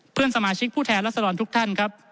เพื่อนสมาชิกผู้แทนรัศดรทุกท่านครับ